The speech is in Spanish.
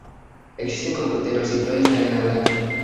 Existen cocoteros y playas de arena blanca.